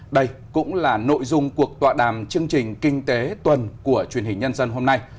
đây cũng là nội dung cuộc tọa đàm chương trình kinh tế tuần của truyền hình nhân dân hôm nay